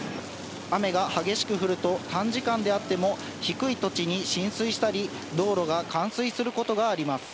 雨が激しく降ると、短時間であっても低い土地に浸水したり、道路が冠水することがあります。